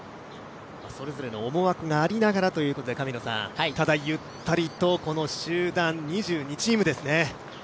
それぞれの思惑がありながらということで、ただゆったりと集団２２チームですね。